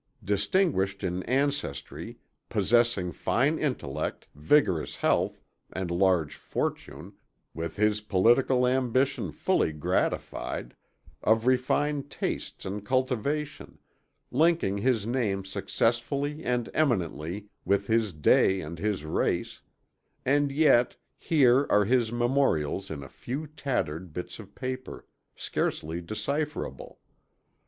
Distinguished in ancestry, possessing fine intellect, vigorous health, and large fortune, with his political ambition fully gratified, of refined tastes and cultivation, linking his name successfully and eminently, with his day and his race, and yet, here are his memorials in a few tattered bits of paper, scarcely decipherable.